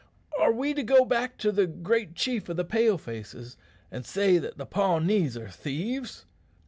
Are we to go back to the great chief of the Pale faces and say that the Pawnees are thieves?